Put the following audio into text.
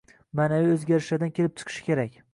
ma’naviy o‘zgarishlardan kelib chiqishi kerak.